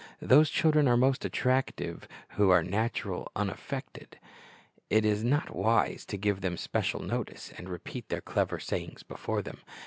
Those children are most attractive who are natural, unaffected. It is not wise to give them special notice, and repeat their clever sayings before them.